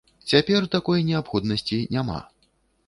Цяпер такой неабходнасці няма.